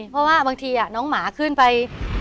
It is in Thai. เพราะว่าบางทีน้องหมาขึ้นไป